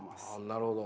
なるほど。